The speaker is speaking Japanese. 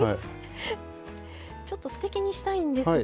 ちょっとすてきにしたいんですが。